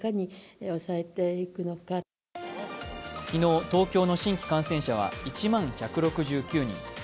昨日、東京の新規感染者は１万１６９人。